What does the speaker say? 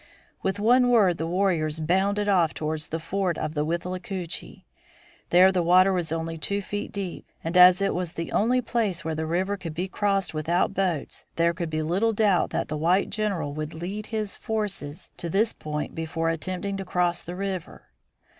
With one accord the warriors bounded off towards the ford of the Withlacoochee. There the water was only two feet deep, and as it was the only place where the river could be crossed without boats, there could be little doubt that the white general would lead his forces to this point before attempting to cross the river.